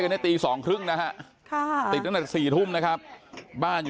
ติดเตียงได้ยินเสียงลูกสาวต้องโทรศัพท์ไปหาคนมาช่วย